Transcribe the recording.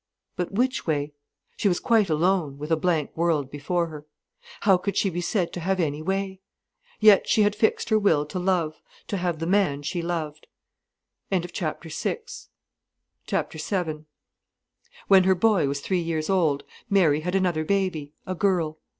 But which way? She was quite alone, with a blank world before her. How could she be said to have any way? Yet she had her fixed will to love, to have the man she loved. VII When her boy was three years old, Mary had another baby, a girl.